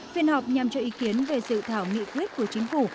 phiên họp nhằm cho ý kiến về dự thảo nghị quyết của chính phủ